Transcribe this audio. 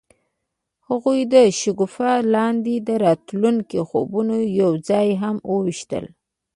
هغوی د شګوفه لاندې د راتلونکي خوبونه یوځای هم وویشل.